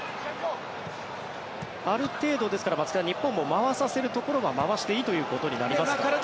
ある程度、日本も回させるところは回していいということになりますか。